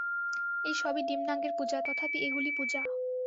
এ-সবই নিম্নাঙ্গের পূজা, তথাপি এগুলি পূজা।